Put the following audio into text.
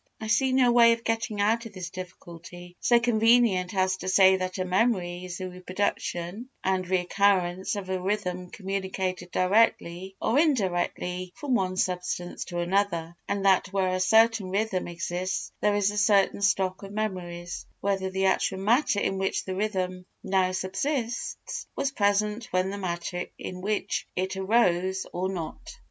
I see no way of getting out of this difficulty so convenient as to say that a memory is the reproduction and recurrence of a rhythm communicated directly or indirectly from one substance to another, and that where a certain rhythm exists there is a certain stock of memories, whether the actual matter in which the rhythm now subsists was present with the matter in which it arose or not.